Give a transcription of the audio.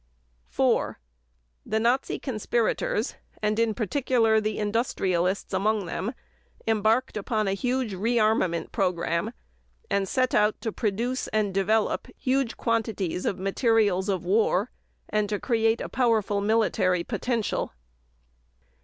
4. The Nazi conspirators, and in particular the industrialists among them, embarked upon a huge re armament program and set out to produce and develop huge quantities of materials of war and to create a powerful military potential.